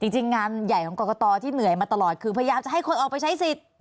จริงงานใหญ่ของกรกตที่เหนื่อยมาตลอดคือพยายามจะให้คนออกไปใช้สิทธิ์